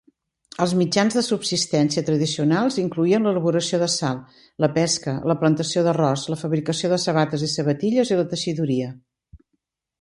Els mitjans de subsistència tradicionals incloïen l'elaboració de sal, la pesca, la plantació d'arròs, la fabricació de sabates i sabatilles i la teixidura.